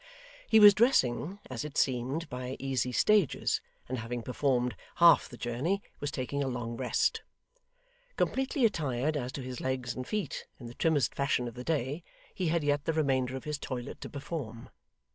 He was dressing, as it seemed, by easy stages, and having performed half the journey was taking a long rest. Completely attired as to his legs and feet in the trimmest fashion of the day, he had yet the remainder of his toilet to perform.